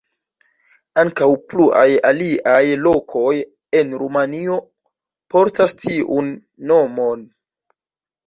Ankaŭ pluaj aliaj lokoj en Rumanio portas tiun nomon.